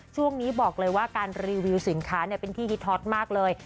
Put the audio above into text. ช่วงนี้บอกเลยว่าการรีวิวสินค้าเป็นที่ฮิตฮอตมากเลย